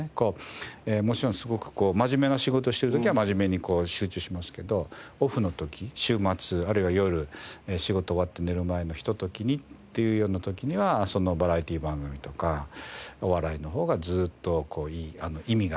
もちろんすごく真面目な仕事してる時は真面目に集中しますけどオフの時週末あるいは夜仕事終わって寝る前のひとときにっていうような時にはそのバラエティー番組とかお笑いの方がずっと意味があるかなと。